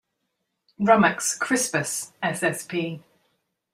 "Rumex crispus" ssp.